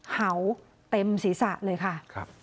เห่าเต็มศีรษะเลยค่ะ